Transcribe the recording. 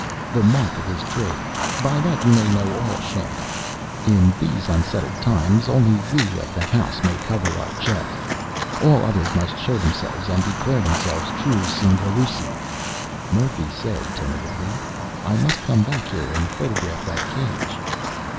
"The mark of his trade. By that you may know all sjambak. In these unsettled times only we of the House may cover our chests all others must show themselves and declare themselves true Singhalûsi." Murphy said tentatively, "I must come back here and photograph that cage."